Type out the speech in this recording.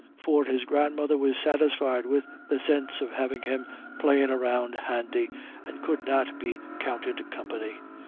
For his grandmother was satisfied with the sense of having him "playin' around handy," and could not be counted company.